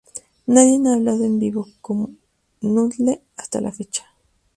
Nadie ha hablado en vivo 'como Noodle' hasta la fecha.